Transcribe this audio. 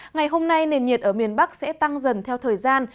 ngày hôm nay nền nhiệt ở miền bắc sẽ tăng dần theo thời gian